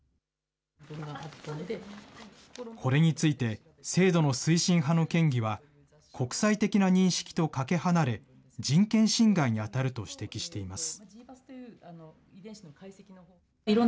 これについて、制度の推進派の県議は、国際的な認識とかけ離れ、人権侵害に当たると指摘しています。